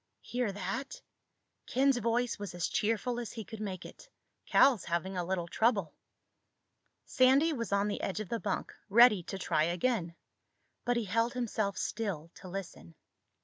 "Hear that?" Ken's voice was as cheerful as he could make it. "Cal's having a little trouble." Sandy was on the edge of the bunk, ready to try again. But he held himself still to listen.